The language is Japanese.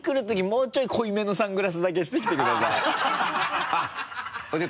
もうちょい濃いめのサングラスだけしてきてくださいあぁハハハ